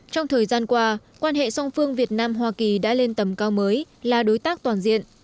trong thời gian qua quan hệ song phương việt nam hoa kỳ đã lên tầm cao mới là đối tác toàn diện